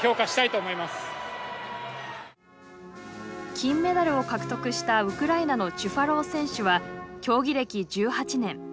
金メダルを獲得したウクライナのチュファロウ選手は競技歴１８年。